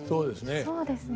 そうですね。